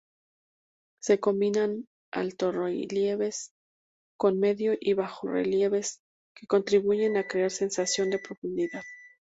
Se combinan altorrelieves con medio y bajorrelieves, que contribuyen a crear sensación de profundidad.